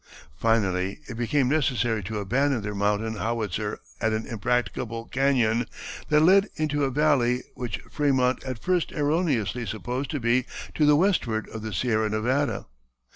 Finally it became necessary to abandon their mountain howitzer at an impracticable cañon that led into a valley which Frémont at first erroneously supposed to be to the westward of the Sierra Nevada.